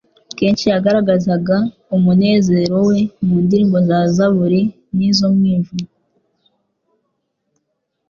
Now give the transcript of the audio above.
Kenshi yagaragazaga umunezero we mu ndirimbo za Zaburi n'izo mu ijuru.